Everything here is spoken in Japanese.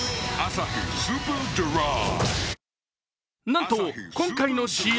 なんと今回のＣＭ。